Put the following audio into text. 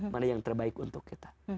mana yang terbaik untuk kita